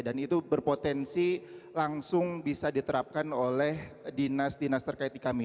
dan itu berpotensi langsung bisa diterapkan oleh dinas dinas terkait kami